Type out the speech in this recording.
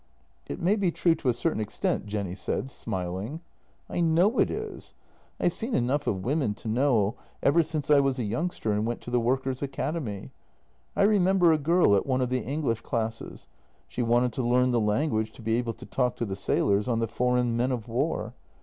"" It may be true to a certain extent," Jenny said, smiling. " I know it is. I have seen enough of women to know, ever since I was a youngster and went to the workers' academy. I remember a girl at one of the English classes; she wanted to learn the language to be able to talk to the sailors on the foreign men of war.